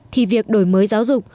thì việc đổi mới giáo dục